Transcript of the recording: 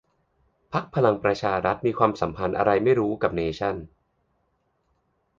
พรรคพลังประชารัฐ มีความสัมพันธ์อะไรก็ไม่รู้กับเนชั่น